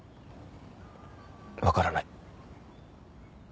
わからない。